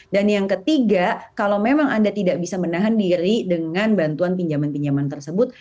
dan yang ketiga kalau memang anda tidak bisa menahan diri dengan bantuan pinjaman pinjaman tersebut